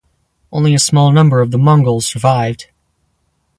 Only a small number of the Mongols survived.